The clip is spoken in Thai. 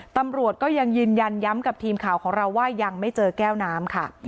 ตำรวจก็ยังยืนยันย้ำกับทีมข่าวของเราว่ายังไม่เจอแก้วน้ำค่ะ